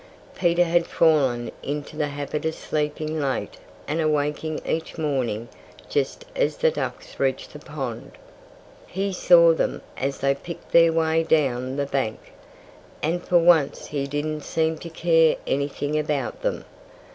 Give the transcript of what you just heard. Peter had fallen into the habit of sleeping late and awaking each morning just as the ducks reached the pond. He saw them as they picked their way down the bank. And for once he didn't seem to care anything about them.